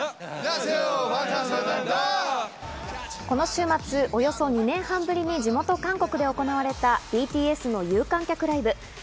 この週末、およそ２年半ぶりに地元・韓国で行われたＢＴＳの有観客ライブ。